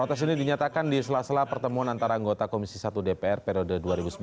disini dinyatakan di sela sela pertemuan antara anggota komisi satu dpr periode dua ribu sembilan dua ribu empat belas